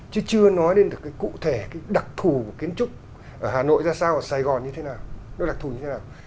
chứ chưa nói đến cụ thể đặc thù của kiến trúc ở hà nội ra sao ở sài gòn như thế nào đặc thù như thế nào